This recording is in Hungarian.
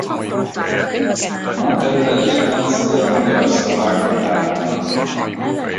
Ma területét átszeli a magyar-szlovák határvonal.